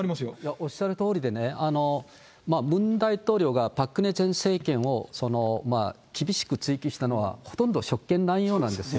おっしゃるとおりでね、ムン大統領がパク・クネ前政権を、厳しく追及したのは、ほとんど、職権乱用なんですよ。